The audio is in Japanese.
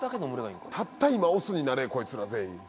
たった今オスになれこいつら全員。